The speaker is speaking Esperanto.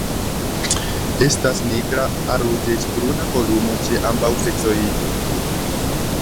Estas nigra al ruĝecbruna kolumo ĉe ambaŭ seksoj.